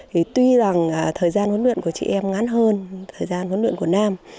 thì tuy rằng thời gian huấn luyện của chị em ngắn hơn thời gian huấn luyện của nam